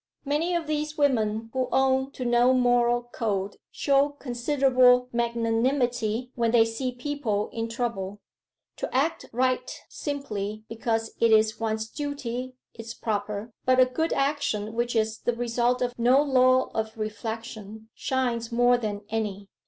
Many of these women who own to no moral code show considerable magnanimity when they see people in trouble. To act right simply because it is one's duty is proper; but a good action which is the result of no law of reflection shines more than any.